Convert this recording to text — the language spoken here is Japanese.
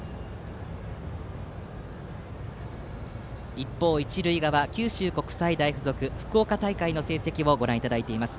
一方、一塁側の九州国際大付属福岡大会の成績をご覧いただいています。